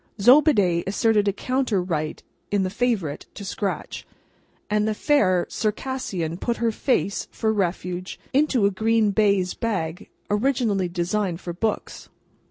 Zobeide asserted a counter right in the Favourite to scratch, and the fair Circassian put her face, for refuge, into a green baize bag, originally designed for books.